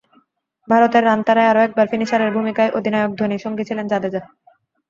ভারতের রান তাড়ায় আরও একবার ফিনিশারের ভূমিকায় অধিনায়ক ধোনি, সঙ্গী ছিলেন জাদেজা।